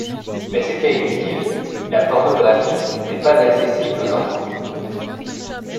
Mais c’était inutile : la pornographie n’est pas accessible aux enfants.